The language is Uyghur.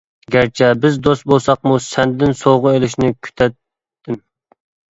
گەرچە بىز دوست بولساقمۇ سەندىن سوۋغا ئېلىشنى كۈتەتتىم.